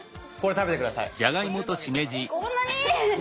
食べて下さい。